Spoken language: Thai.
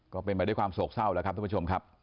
ก็เป็นไปด้วยความโศกเศร้าแล้วครับท่านผู้ชมครับ